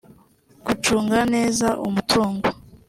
gucunga neza umutungo